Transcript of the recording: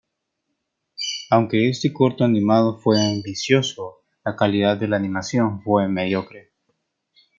Aunque este corto animado fue ambicioso, la calidad de la animación fue mediocre.